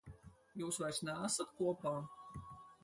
Jūs vairs neesat kopā?